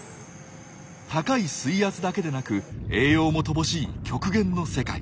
高い水圧だけでなく栄養も乏しい極限の世界。